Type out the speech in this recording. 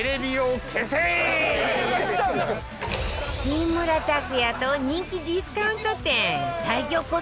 木村拓哉と人気ディスカウント店最強コスパ